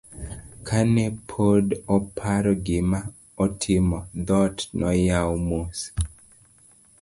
kane pod oparo gima otimo, dhot noyaw mos